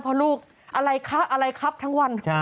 เพราะลูกอะไรครับทั้งวัน